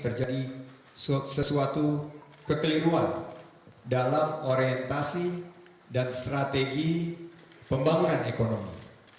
terjadi sesuatu kekeliruan dalam orientasi dan strategi pembangunan ekonomi